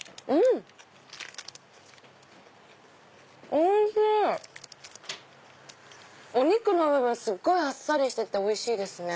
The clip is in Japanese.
お肉の部分すごいあっさりしておいしいですね。